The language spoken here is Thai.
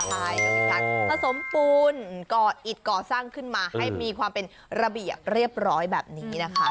ใช่ก็มีการผสมปูนก่ออิดก่อสร้างขึ้นมาให้มีความเป็นระเบียบเรียบร้อยแบบนี้นะคะ